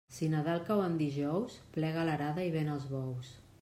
Si Nadal cau en dijous, plega l'arada i ven els bous.